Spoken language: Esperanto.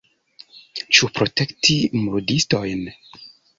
Ĉu protekti murdistojn?